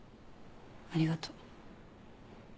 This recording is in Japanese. ありがとう。